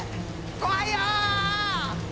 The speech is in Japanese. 怖いよ！